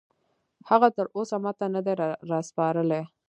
هغه تراوسه ماته نه دي راسپارلي